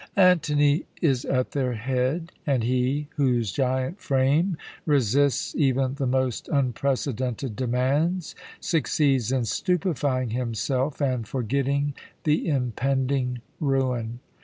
"Antony is at their head, and he, whose giant frame resists even the most unprecedented demands, succeeds in stupefying himself and forgetting the impending ruin.